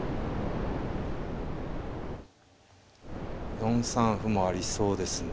４三歩もありそうですね。